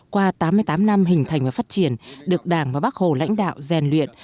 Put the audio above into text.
qua tám mươi tám năm hình thành và phát triển được đảng và bác hồ lãnh đạo rèn luyện